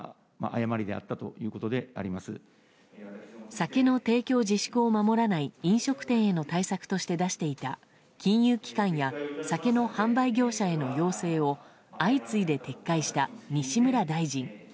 酒の提供自粛を守らない飲食店への対策として出していた金融機関や酒の販売業者への要請を相次いで撤回した西村大臣。